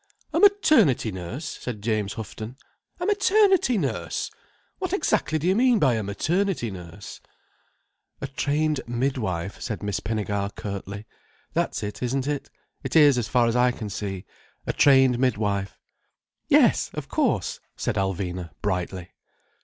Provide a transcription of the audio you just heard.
"A maternity nurse!" said James Houghton. "A maternity nurse! What exactly do you mean by a maternity nurse?" "A trained mid wife," said Miss Pinnegar curtly. "That's it, isn't it? It is as far as I can see. A trained mid wife." "Yes, of course," said Alvina brightly.